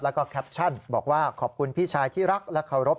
แล้วก็แคปชั่นบอกว่าขอบคุณพี่ชายที่รักและเคารพ